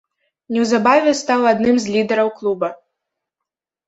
Неўзабаве стаў адным з лідараў клуба.